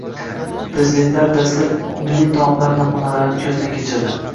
Prezidentlar dastlab milliy taomlar namunalarini ko‘zdan kechirdi